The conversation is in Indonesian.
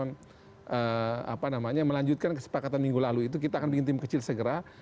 kita melanjutkan kesepakatan minggu lalu itu kita akan bikin tim kecil segera